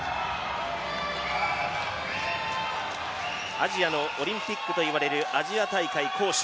アジアのオリンピックといわれるアジア大会、杭州。